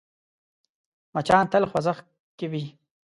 مچان تل خوځښت کې وي